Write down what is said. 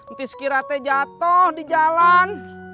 ntis kira teh jatoh di jalan